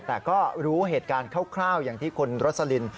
แต่ก็รู้เหตุการณ์คร่าวอย่างที่คุณรสลิน